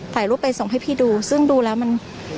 ถ่ายรูปไปส่งให้พี่ดูซึ่งดูแล้วมัน